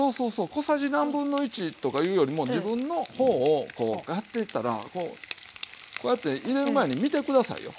小さじ何分の１とかいうよりも自分の方をこうやっていったらこうやって入れる前に見て下さいよ。ね。